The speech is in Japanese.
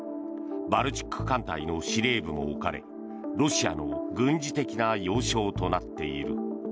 バルチック艦隊の司令部も置かれロシアの軍事的な要衝となっている。